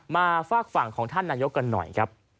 ฝากฝั่งของท่านนายกกันหน่อยครับ